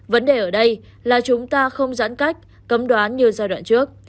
vấn đề ở đây là chúng ta không giãn cách cấm đoán như giai đoạn trước